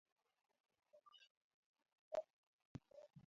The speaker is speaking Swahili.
Makundi makubwa ya mifugo hupelekea ugonjwa wa kutupa mimba kutokea